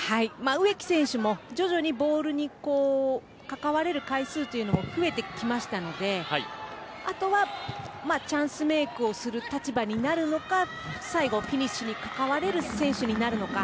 植木選手も徐々にボールに関われる回数も増えてきましたのであとは、チャンスメイクをする立場になるのか最後、フィニッシュに関われる選手になるのか。